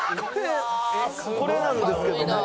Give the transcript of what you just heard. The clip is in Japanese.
これなんですけども。